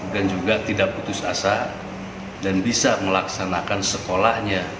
dan juga tidak putus asa dan bisa melaksanakan sekolah